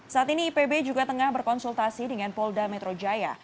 saat ini ipb juga tengah berkonsultasi dengan polda metro jaya